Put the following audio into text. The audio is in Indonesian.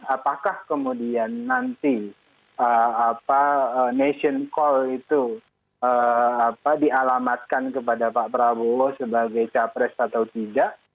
apakah kemudian nanti nation call itu dialamatkan kepada pak prabowo sebagai capres atau tidak